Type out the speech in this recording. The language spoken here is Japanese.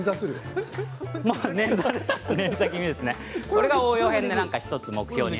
これは応用編で１つ目標に。